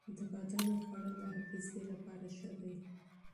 د بادامو خوړل د حافظې لپاره ښه دي.